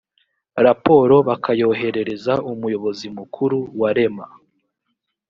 raporo bakayoherereza umuyobozi mukuru wa rema